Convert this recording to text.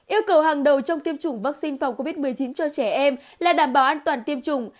yêu cầu hàng đầu trong tiêm chủng vaccine phòng covid một mươi chín cho trẻ em là đảm bảo an toàn tiêm chủng